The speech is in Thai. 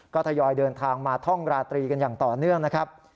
ก็ทยอยเดินทางมาท่องราตรีกันอย่างต่อเนื่องนะครับ